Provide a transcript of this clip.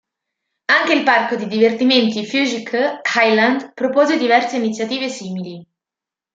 Anche il parco di divertimenti Fuji-Q HighLand propose diverse iniziative simili.